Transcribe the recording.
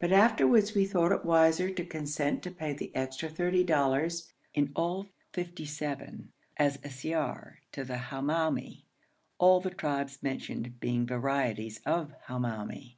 But afterwards we thought it wiser to consent to pay the extra thirty dollars (in all fifty seven) as siyar to the Hamoumi, all the tribes mentioned being varieties of Hamoumi.